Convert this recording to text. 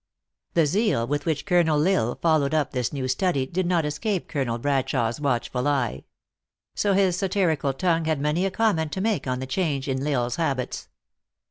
The zeal with which Colonel L Isle followed up this new study, did not escape Colonel Bradshawe s watch ful eye. So his satirical tongue had many a comment to make on the change in L Isle s habits.